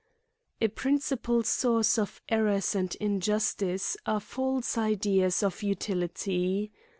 A PRINCIPAL source of errors and injiist tice are false ideas of utility.